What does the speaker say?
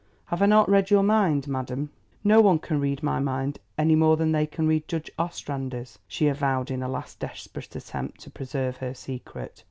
Have I not read your mind, madam?" "No one can read my mind any more than they can read Judge Ostrander's," she avowed in a last desperate attempt to preserve her secret.